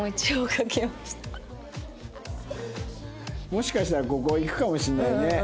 もしかしたらここいくかもしれないね。